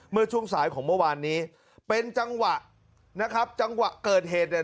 เมื่อช่วงสายของเมื่อวานนี้เป็นจังหวะนะครับจังหวะเกิดเหตุเนี่ย